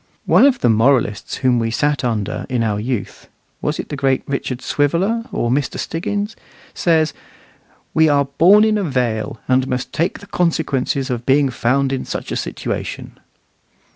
One of the moralists whom we sat under in our youth was it the great Richard Swiveller, or Mr. Stiggins says, "We are born in a vale, and must take the consequences of being found in such a situation."